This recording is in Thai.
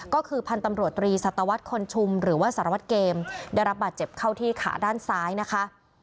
ก็คือพันธุ์ตำรวจตรีสัตวรรษคนชุมหรือว่าสารวัตรเกมได้รับบาดเจ็บเข้าที่ขาด้านซ้ายนะคะ